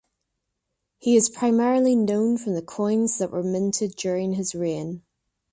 He is primarily known from the coins that were minted during his reign.